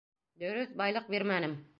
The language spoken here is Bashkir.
Дөрөҫ, байлыҡ бирмәнем.